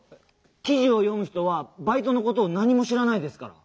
きじをよむ人はバイトのことをなにもしらないですから。